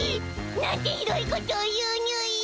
なんてひどいことを言うにゅい！